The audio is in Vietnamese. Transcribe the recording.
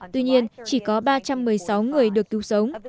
tuy nhiên chỉ có ba trăm một mươi sáu người được cứu sống